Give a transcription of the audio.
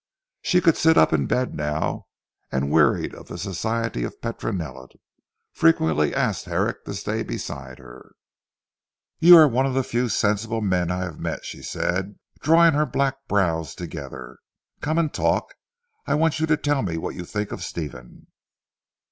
She could sit up in bed now, and wearied of the society of Petronella, frequently asked Herrick to stay beside her. "You are one of the few sensible men I have met," she said, drawing her black brows together. "Come and talk. I want you to tell me what you think of Stephen."